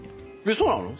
そうなの？